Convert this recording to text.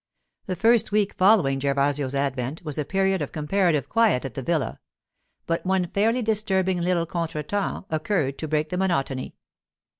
The first week following Gervasio's advent was a period of comparative quiet at the villa, but one fairly disturbing little contretemps occurred to break the monotony.